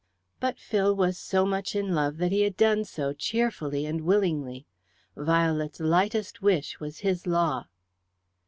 But Phil was so much in love that he had done so, cheerfully and willingly. Violet's lightest wish was his law.